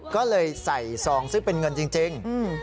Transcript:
ก็เลยใส่ซองซึ่งเป็นเงินจริง